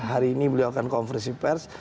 hari ini beliau akan konversi pers